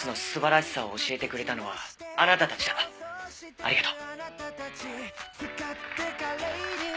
ありがとう。